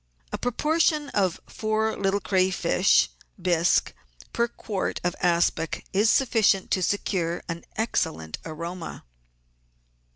A proportion of four little crayfish k bisque per quart of aspic is sufficient to secure an excellent aroma.